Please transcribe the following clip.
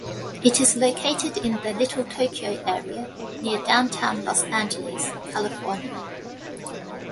It is located in the Little Tokyo area near downtown Los Angeles, California.